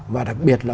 và đặc biệt là